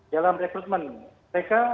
dalam rekrutmen mereka